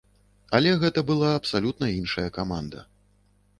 Але гэта была абсалютна іншая каманда.